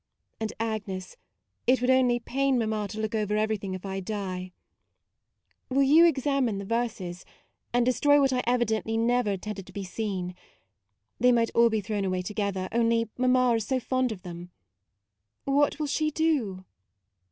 And, Agnes, it would only pain mamma to look over everything if I die ; will you examine the verses, H4 MAUDE and destroy what I evidently never intended to be seen. They might all be thrown away together, only mamma is so fond of them. What will she do?"